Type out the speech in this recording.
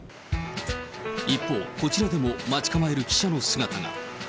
一方、こちらでも待ち構える記者の姿が。